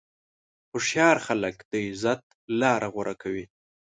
هوښیار خلک د عزت لاره غوره کوي.